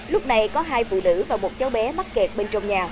lúc này có hai phụ nữ và một cháu bé mắc kẹt bên trong nhà